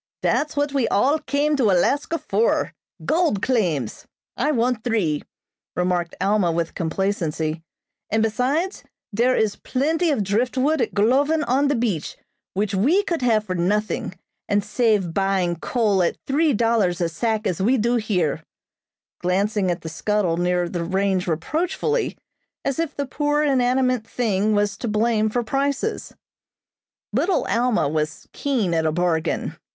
"That's what we all came to Alaska for gold claims. I want three," remarked Alma with complacency, "and besides, there is plenty of driftwood at Golovin on the beach which we could have for nothing, and save buying coal at three dollars a sack as we do here," glancing at the scuttle near the range reproachfully, as if the poor, inanimate thing was to blame for prices. Little Alma was keen at a bargain.